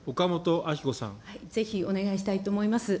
ぜひお願いしたいと思います。